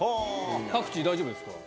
パクチー大丈夫ですか？